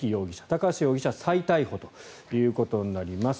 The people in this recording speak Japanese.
高橋容疑者は再逮捕ということになります。